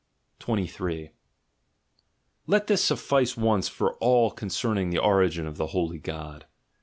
23 Let this suffice once for all concerning the origin of the "holy God."